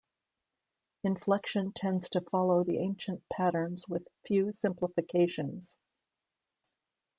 Inflection tends to follow the ancient patterns with few simplifications.